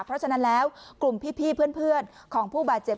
เพราะฉะนั้นแล้วกลุ่มพี่เพื่อนของผู้บาดเจ็บ